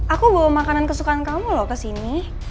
aku bawa makanan kesukaan kamu loh kesini